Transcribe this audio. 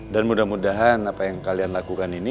mudah mudahan apa yang kalian lakukan ini